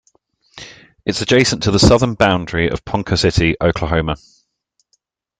It is adjacent to the southern boundary of Ponca City, Oklahoma.